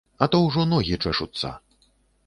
А то ўжо ногі чэшуцца.